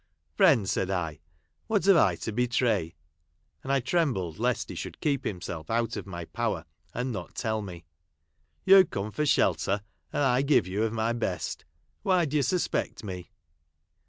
." Friend !" said I, " what have I to betray 1 " and I trembled lest he should keep himself out of my power and not tell me " You come for shelter, and I give you of my best. Why do you suspect me